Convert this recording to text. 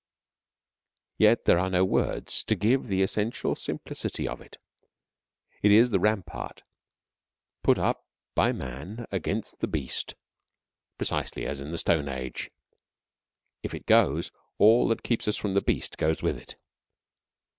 Yet there are no words to give the essential simplicity of it. It is the rampart put up by Man against the Beast, precisely as in the Stone Age. If it goes, all that keeps us from the Beast goes with it.